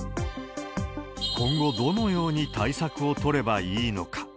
今後どのように対策を取ればいいのか。